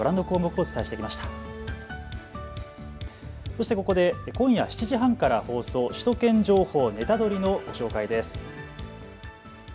そしてここで今夜７時半から放送首都圏情報ネタドリ！のご紹介です。